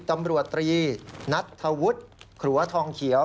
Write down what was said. ตำรวจตรีนัทธวุฒิขรัวทองเขียว